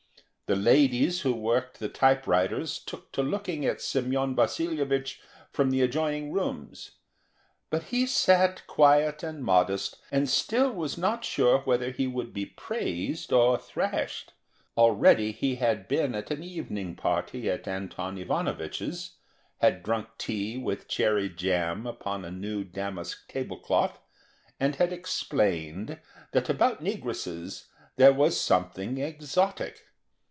The ladies who worked the typewriters took to looking at Semyon Vasilyevich from the adjoining rooms; but he sat quiet and modest, and still was not sure whether he would be praised or thrashed. Already he had been at an evening party at Anton Ivanovich's, had drunk tea with cherry jam upon a new damask table cloth, and had explained that about negresses there was something _exotic.